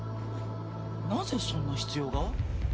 なぜそんな必要が？